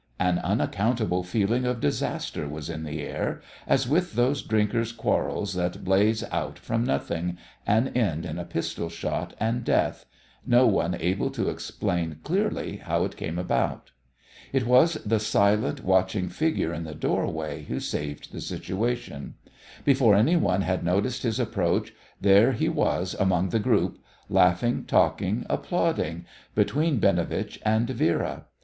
An unaccountable feeling of disaster was in the air, as with those drinkers' quarrels that blaze out from nothing, and end in a pistol shot and death, no one able to explain clearly how it came about. It was the silent, watching figure in the doorway who saved the situation. Before any one had noticed his approach, there he was among the group, laughing, talking, applauding between Binovitch and Vera.